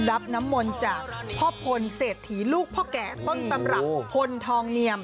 รับน้ำมนต์จากพ่อพลเศรษฐีลูกพ่อแก่ต้นตำรับพลทองเนียม